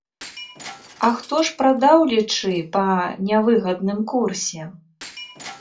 А хто ж прадаў, лічы, па нявыгадным курсе?